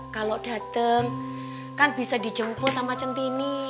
kalo dateng kan bisa dijemput sama centini